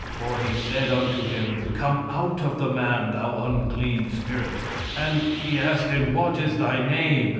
"(For he said unto him, Come out of the man, thou unclean spirit.) "And he asked him, What is thy name?